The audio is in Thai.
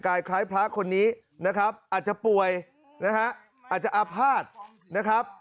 คล้ายพระคนนี้นะครับอาจจะป่วยนะฮะอาจจะอาภาษณ์นะครับ